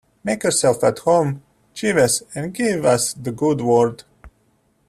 Make yourself at home, Jeeves, and give us the good word.